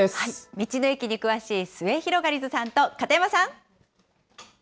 道の駅に詳しいすゑひろがりずさんと片山さん。